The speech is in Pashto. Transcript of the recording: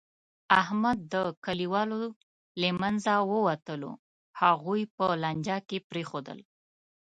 احمد د کلیوالو له منځه ووتلو، هغوی په لانجه کې پرېښودل.